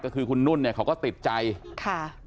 ก็คือคุณนุ่นเนี่ยเขาก็ติดใจค่ะ